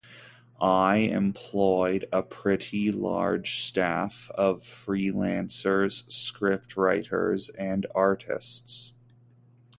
I employed a pretty large staff of freelancers: scriptwriters and artists.